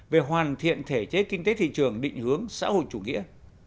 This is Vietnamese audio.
về hoàn thiện thể chế kinh tế thị trường định hướng xã hội chủ nghĩa